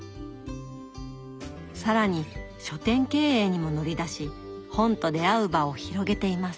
更に書店経営にも乗り出し本と出会う場を広げています。